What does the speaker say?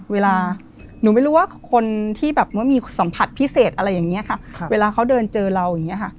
เวลาหนูไม่รู้ว่าคนที่แบบว่ามีสัมผัสพิเศษอะไรอย่างนี้ค่ะเวลาเขาเดินเจอเราอย่างนี้ค่ะ